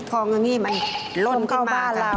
อย่างนี้มันล่นเข้าบ้านเรา